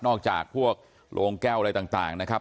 จากพวกโรงแก้วอะไรต่างนะครับ